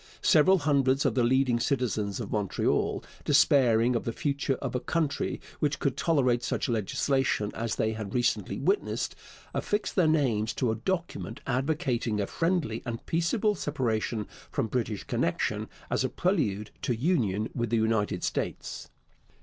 Several hundreds of the leading citizens of Montreal, despairing of the future of a country which could tolerate such legislation as they had recently witnessed, affixed their names to a document advocating a friendly and peaceable separation from British connection as a prelude to union with the United States.